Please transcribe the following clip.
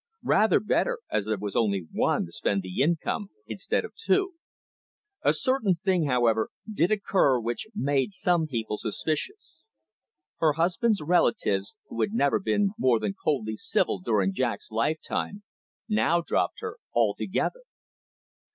Rather better, as there was only one to spend the income instead of two. A certain thing, however, did occur which made some people suspicious. Her husband's relatives, who had never been more than coldly civil during Jack's lifetime, now dropped her altogether.